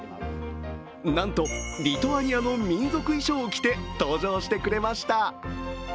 なんと、リトアニアの民族衣装を着て登場してくれました。